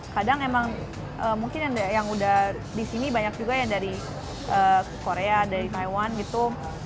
kadang emang mungkin yang udah di sini banyak juga yang dari korea dari taiwan gitu